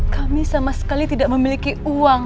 kami sama sekali tidak memiliki uang